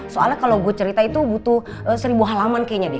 soalnya kalau gue cerita itu butuh seribu halaman kayaknya deh